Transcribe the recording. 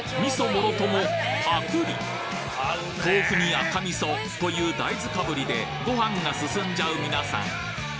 もろともパクリ豆腐に赤味噌という大豆かぶりでご飯が進んじゃう皆さん